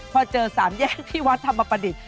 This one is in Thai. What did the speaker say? พอเจอสามแยกที่วัดธรรมประดิษฐ์